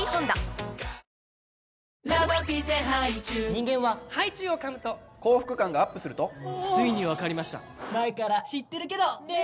人間はハイチュウをかむと幸福感がＵＰするとついに分かりました前から知ってるけどねー！